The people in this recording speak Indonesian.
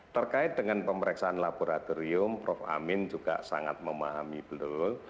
terkait dengan pemeriksaan laboratorium prof amin juga sangat memahami betul